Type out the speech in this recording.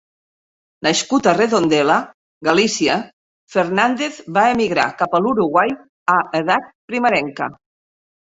Nascut a Redondela, Galícia, Fernández va emigrar cap a l'Uruguai a edat primerenca.